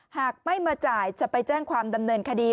หากไม่มาจ่ายจะไปแจ้งความดำเนินคดี